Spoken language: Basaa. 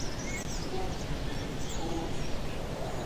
Kôp i mbégél hyôôt.